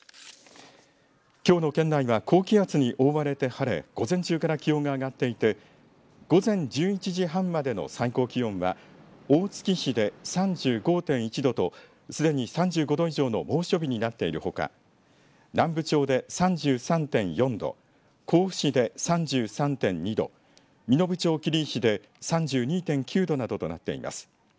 きょうの県内は高気圧に覆われて晴れ午前中から気温が上がっていて午前１１時半までの最高気温は大月市で３５．１度とすでに３５度以上の猛暑日になっているほか南部町で３３．４度甲府市で３３．２度身延町切石で３２．９度などとなっています。